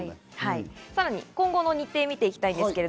さらに今後の日程を見ていきます。